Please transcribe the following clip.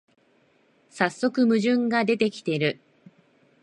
さっそく矛盾が出てきてる